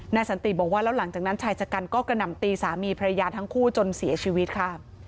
สันติบอกว่าแล้วหลังจากนั้นชายชะกันก็กระหน่ำตีสามีพระยาทั้งคู่จนเสียชีวิตค่ะ